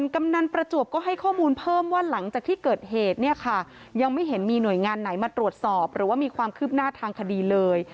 กำนันประจวบก็ให้ข้อมูลเพิ่มว่าหลังจากที่เกิดเหตุเนี่ยค่ะยังไม่เห็นมีหน่วยงานไหนมาตรวจสอบหรือว่ามีความคืบหน้าทางคดีเลย